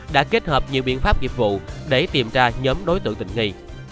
đã kết hợp nhiều biện pháp nghiệp vụ để tìm ra nhóm đối tượng tình nghi